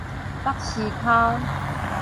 北絲鬮